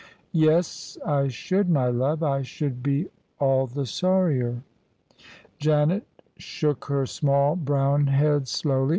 "Yes, I should, my love: I should be all the sorrier." Janet shook her small brown head slowly.